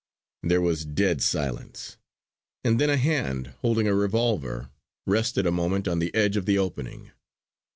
There was dead silence; and then a hand holding a revolver rested a moment on the edge of the opening.